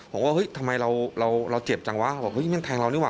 ผมก็ว่าเฮ้ยทำไมเราเจ็บจังวะเหมือนแม่งแทงเรานี่หวะ